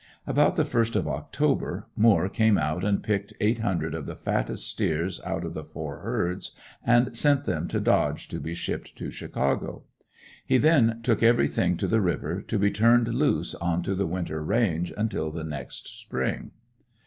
About the first of October, Moore came out and picked eight hundred of the fattest steers out of the four herds and sent them to Dodge to be shipped to Chicago. He then took everything to the river, to be turned loose onto the winter range until the next spring.